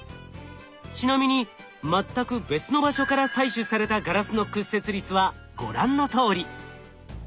ちなみに全く別の場所から採取されたガラスの屈折率はご覧のとおり。